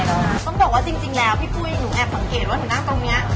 ต้องบอกว่าจริงแล้วพี่ปุ้ยหนูแอบสังเกตว่าหนูนั่งตรงนี้